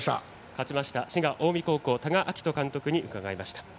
勝ちました滋賀・近江高校多賀章仁監督に伺いました。